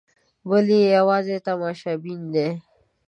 بل یې یوازې تماشبین دی.